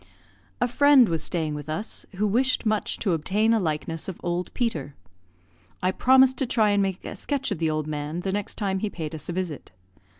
A friend was staying with us, who wished much to obtain a likeness of Old Peter. I promised to try and make a sketch of the old man the next time he paid us a visit.